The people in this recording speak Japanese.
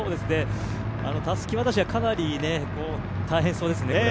たすき渡しはかなり大変そうですね。